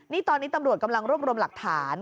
นี่ตอนนี้ตำรวจกำลังรวบรวมหลักฐาน